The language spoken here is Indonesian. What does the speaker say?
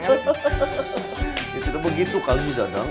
ya tidak begitu kali ini dadang